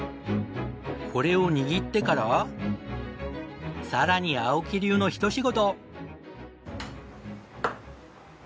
これを握ってからさらに青木流のひと仕事。